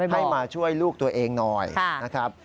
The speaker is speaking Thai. ให้มาช่วยลูกตัวเองหน่อยนะครับ